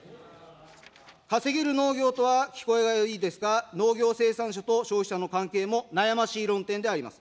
稼げる農業とは聞こえがいいですが、農業生産者と消費者の関係も悩ましい論点であります。